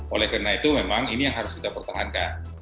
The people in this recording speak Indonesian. oleh karena itu memang ini yang harus kita pertahankan